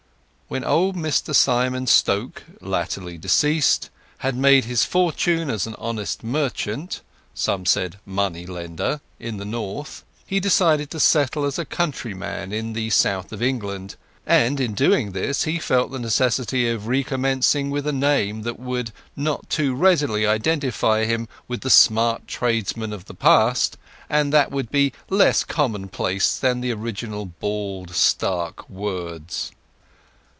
When old Mr Simon Stoke, latterly deceased, had made his fortune as an honest merchant (some said money lender) in the North, he decided to settle as a county man in the South of England, out of hail of his business district; and in doing this he felt the necessity of recommencing with a name that would not too readily identify him with the smart tradesman of the past, and that would be less commonplace than the original bald, stark words.